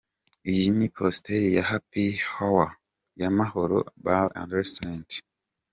Iyi ni postel ya Happy Hour ya Mahalo Bar&Restaurant.